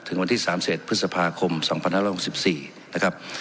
วันที่๓๑พฤษภาคม๒๕๖๔นะครับ